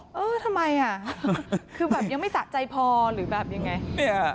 เฮ้ยทำไมคือยังไม่สะใจพอหรือแบบยังไง